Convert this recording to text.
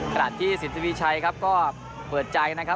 โปรดสินทดีพี่ชัยครับก็เปิดใจนะครับ